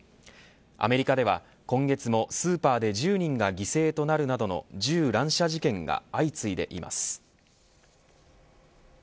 アメリカでは今月もスーパーで１０人が犠牲となるなどの銃乱射事件が相次いでいます。